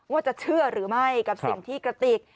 ว่าจะเชื่อหรือไม่กับสิ่งที่กระติก